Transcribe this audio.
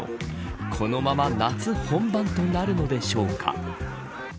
このまま夏本番となるのでしょうか。